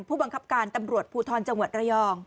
ผู้บังคับการตำรวจภูทรจังหวัดระยอง